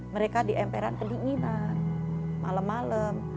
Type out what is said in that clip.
mereka di emperan kedinginan malem malem